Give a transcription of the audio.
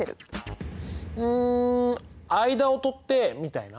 うん間を取ってみたいな？